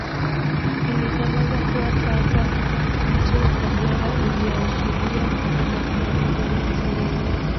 Ilitangaza kuwa sasa Mto Kagera uliashiria mpaka kati ya Uganda na Tanzania